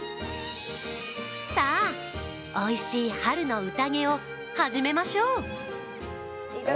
さぁ、おいしい春の宴を始めましょう。